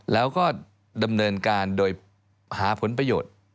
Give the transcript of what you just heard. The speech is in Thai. แล้วก็ดำเนินการโดยหาผลประโยชน์